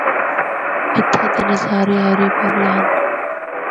اِتھا دے نظارے ہرے بھرے ہن۔